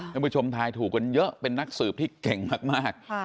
ท่านผู้ชมทายถูกกันเยอะเป็นนักสืบที่เก่งมาก